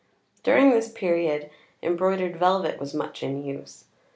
During this period embroidered velvet was much in use.